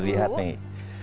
coba dilihat nih